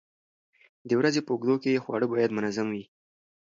د ورځې په اوږدو کې خواړه باید منظم وي.